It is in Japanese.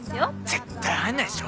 絶対流行んないでしょ。